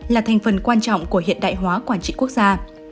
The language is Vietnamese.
là thành phần quan trọng của hiện đại hóa quản trị quốc gia